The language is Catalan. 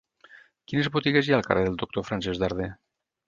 Quines botigues hi ha al carrer del Doctor Francesc Darder?